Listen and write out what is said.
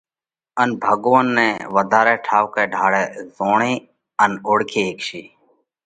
ان ڀڳوونَ نئہ وڌارئہ ٺائُوڪئہ ڍاۯئہ زوڻي ان اوۯکي هيڪشي۔